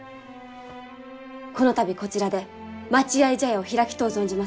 この度こちらで待合茶屋を開きとう存じます。